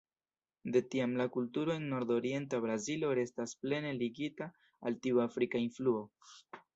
De tiam la kulturo en Nordorienta Brazilo restas plene ligita al tiu afrika influo.